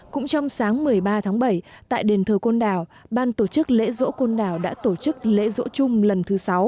cũng trong sáng một mươi ba tháng bảy tại đền thờ côn đảo ban tổ chức lễ rỗ côn đảo đã tổ chức lễ rỗ chung lần thứ sáu